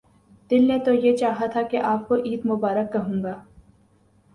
دل نے تو یہ چاہا تھا کہ آپ کو عید مبارک کہوں گا۔